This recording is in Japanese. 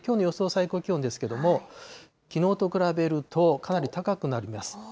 最高気温ですけれども、きのうと比べるとかなり高くなります。